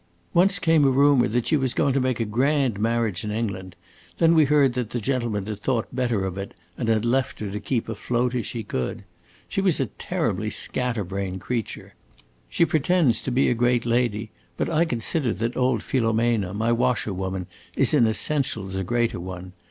Once came a rumor that she was going to make a grand marriage in England; then we heard that the gentleman had thought better of it and left her to keep afloat as she could. She was a terribly scatter brained creature. She pretends to be a great lady, but I consider that old Filomena, my washer woman, is in essentials a greater one.